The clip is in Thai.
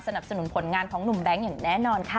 สนุนผลงานของหนุ่มแบงค์อย่างแน่นอนค่ะ